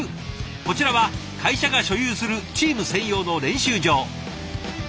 こちらは会社が所有するチーム専用の練習場。